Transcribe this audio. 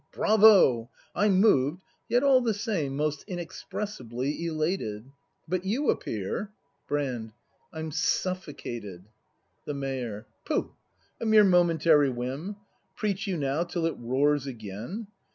Bravo! — I'm moved, yet all the same Most inexpressibly elated! But you appear ? Brand. I'm suffocated. The Mayor. Pooh, a mere momentary whim! Preach you now, till it roars again!